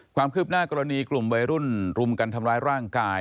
ความคืบหน้ากรณีกลุ่มวัยรุ่นรุมกันทำร้ายร่างกาย